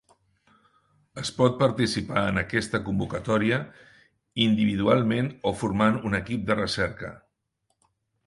Es pot participar en aquesta convocatòria individualment o formant un equip de recerca.